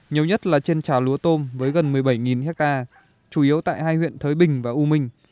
nhiều nhất là trên trà lúa tôm với gần một mươi bảy hectare chủ yếu tại hai huyện thới bình và u minh